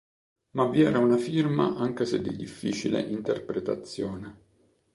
Ma vi era una firma anche se di difficile interpretazione.